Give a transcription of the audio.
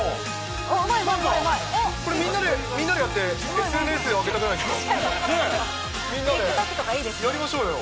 うまい、うまい、これ、みんなでやって、ＳＮＳに上げたくないですか？